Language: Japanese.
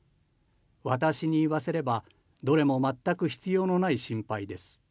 私に言わせればどれも全く必要のない心配です。